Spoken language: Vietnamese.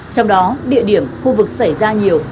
trong đó địa điểm khu vực xảy ra nhiều